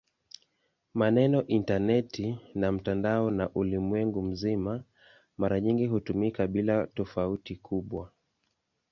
Maneno "intaneti" na "mtandao wa ulimwengu mzima" mara nyingi hutumika bila tofauti kubwa.